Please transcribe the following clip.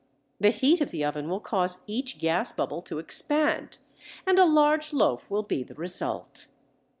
The heat of the oven will cause each gas bubble to expand, and a large loaf will be the result.